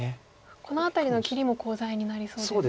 この辺りの切りもコウ材になりそうですもんね。